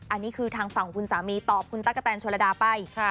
อันนี้คือทางฝั่งคุณสามีตอบคุณตั๊กกะแตนโชลดาไป